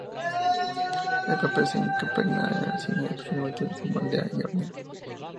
El papel se impregna en la resina, posteriormente se moldea y hornea.